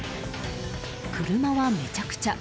車はめちゃくちゃ。